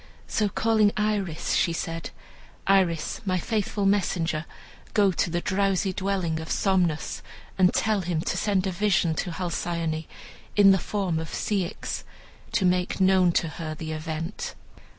So, calling Iris, she said, "Iris, my faithful messenger, go to the drowsy dwelling of Somnus, and tell him to send a vision to Halcyone in the form of Ceyx, to make known to her the event."